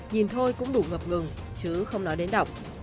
nhìn thôi cũng đủ ngập ngừng chứ không nói đến đọc